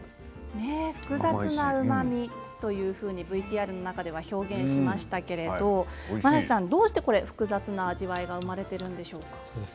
複雑なうまみとＶＴＲの中では表現しましたけどどうして複雑な味わいが生まれているんでしょうか。